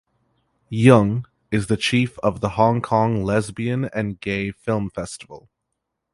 Yeung is the chief of the Hong Kong Lesbian and Gay Film Festival.